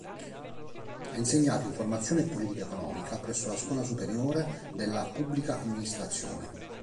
Ha insegnato informazione e politica economica presso la Scuola Superiore della Pubblica Amministrazione.